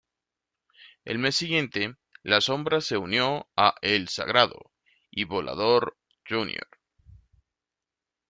El mes siguiente, La Sombra se unió a El Sagrado y Volador, Jr.